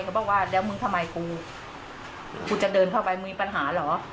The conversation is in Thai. ก็บอกว่าแล้วมึงทำไมกูกูจะเดินเข้าไปมึงมีปัญหาเหรอ